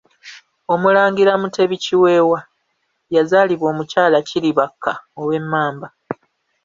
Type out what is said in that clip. Omulangira Mutebi Kiweewa yazaalibwa Omukyala Kiribakka ow'Emmamba.